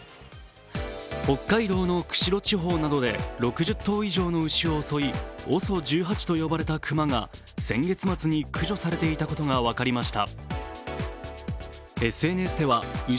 北海道の釧路地方などで６０頭以上の牛を襲い、ＯＳＯ１８と呼ばれた熊が先月末に駆除されていたことが分かりました。